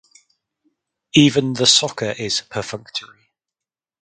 Even the soccer is perfunctory.